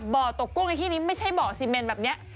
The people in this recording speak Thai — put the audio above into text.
บ่อตกกุ้งในที่นี้ไม่ใช่บ่อซีเมนแบบนี้